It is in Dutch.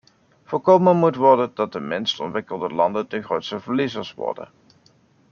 Voorkomen moet worden dat de minst ontwikkelde landen de grootste verliezers worden.